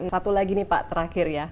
satu lagi nih pak terakhir ya